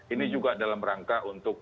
ini juga dalam rangka untuk